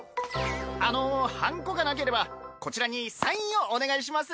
あのハンコがなければこちらにサインをお願いします。